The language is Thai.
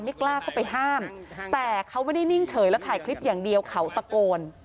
กล้าเข้าไปห้ามแต่เขาไม่ได้นิ่งเฉยแล้วถ่ายคลิปอย่างเดียวเขาตะโกน